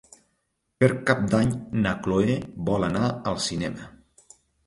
Per Cap d'Any na Chloé vol anar al cinema.